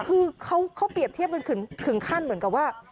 คือเขาเปรียบเทียบกันถึงขั้นเหมือนกับว่า